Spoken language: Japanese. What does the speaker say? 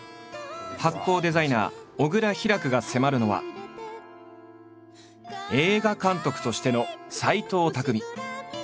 発酵デザイナー・小倉ヒラクが迫るのは映画監督としての斎藤工。